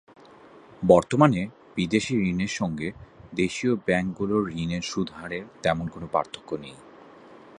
বর্তমানে বিদেশি ঋণের সঙ্গে দেশীয় ব্যাংকগুলোর ঋণের সুদহারের তেমন কোনো পার্থক্য নেই।